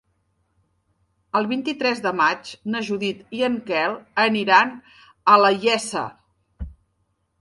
El vint-i-tres de maig na Judit i en Quel aniran a la Iessa.